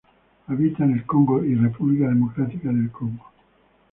Habita en el Congo y República Democrática del Congo.